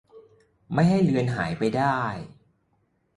ไม่ให้เลือนหายไปได้